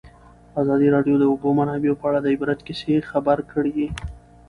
ازادي راډیو د د اوبو منابع په اړه د عبرت کیسې خبر کړي.